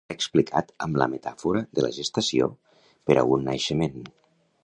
Ho ha explicat amb la metàfora de la gestació per a un naixement.